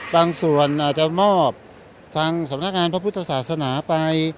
บางส่วนอาจจะมอบทางสำนักงานพระพุทธศาสนาไป